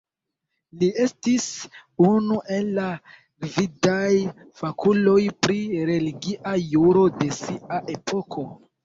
Li estis unu el la gvidaj fakuloj pri religia juro de sia epoko.